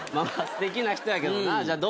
すてきな人やけどな。